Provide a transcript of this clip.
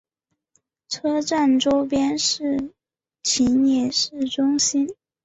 车站周边是秦野市中心。